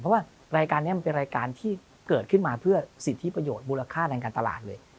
เพราะว่ารายการนี้มันเป็นรายการที่เกิดขึ้นมาเพื่อสิทธิประโยชน์มูลค่าทางการตลาดเลย